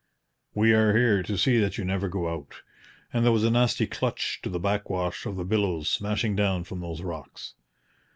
We are here to see that you never go out'; and there was a nasty clutch to the backwash of the billows smashing down from those rocks.